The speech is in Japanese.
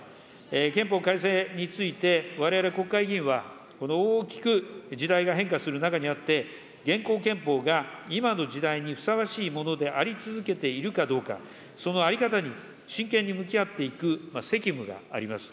憲法改正について、われわれ国会議員は、大きく時代が変化する中にあって、現行憲法が今の時代にふさわしいものであり続けているかどうか、その在り方に真剣に向き合っていく責務があります。